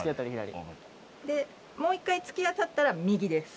もう１回突き当たったら右です。